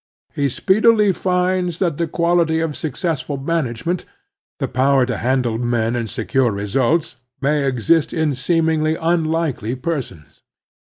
He speedily finds that the quality of successful man agement, the power to handle men and secure results, may exist in seemingly unlikely persons.